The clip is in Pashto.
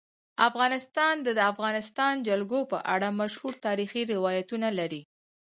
افغانستان د د افغانستان جلکو په اړه مشهور تاریخی روایتونه لري.